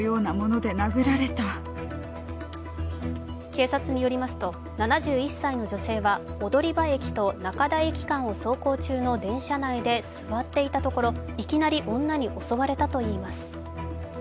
警察によりますと７１歳の女性は踊場駅と中田駅間を走行中の電車内で座っていたところいきなり女に襲われたといいます。